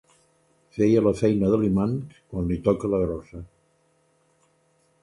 Feia la feina de l'imant quan li toca la grossa.